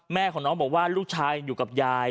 แม่ของน้องบอกว่าลูกชายอยู่กับยาย